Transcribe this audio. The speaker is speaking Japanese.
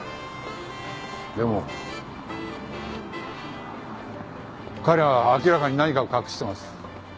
でも彼は明らかに何かを隠してます。